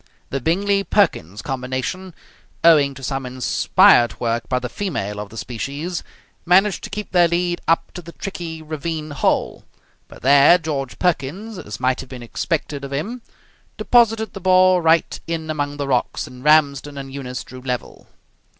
The Bingley Perkins combination, owing to some inspired work by the female of the species, managed to keep their lead up to the tricky ravine hole, but there George Perkins, as might have been expected of him, deposited the ball right in among the rocks, and Ramsden and Eunice drew level.